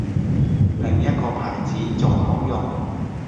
另一個牌子仲好用